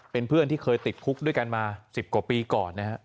เป็นเพื่อนที่เคยติดคุกด้วยกันมา๑๐กว่าปีก่อนนะฮะ